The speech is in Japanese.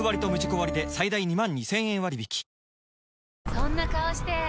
そんな顔して！